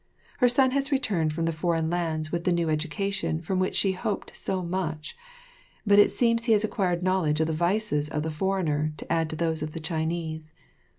Her son has returned from the foreign lands with the new education from which she hoped so much, but it seems he has acquired knowledge of the vices of the foreigner to add to those of the Chinese.